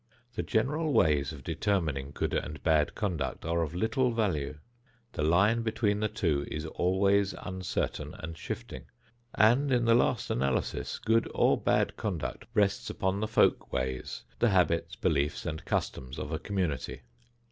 The general ways of determining good and bad conduct are of little value. The line between the two is always uncertain and shifting. And, in the last analysis, good or bad conduct rests upon the "folk ways," the habits, beliefs and customs of a community.